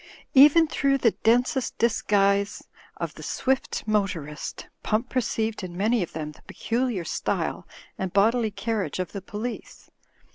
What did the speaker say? Even through the densest disguise of the swift motor ist. Pump perceived in many of them the peculiar style and bodily carriage of the police.